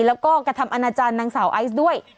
แล้วก็กระทำอนาจารย์นางสาวไอซ์ด้วย